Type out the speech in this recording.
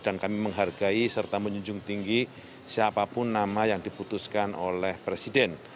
dan kami menghargai serta menunjuk tinggi siapapun nama yang diputuskan oleh presiden